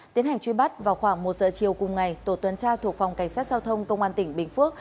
tiến hành truy bắt vào khoảng một giờ chiều cùng ngày tổ tuần tra thuộc phòng cảnh sát giao thông công an tỉnh bình phước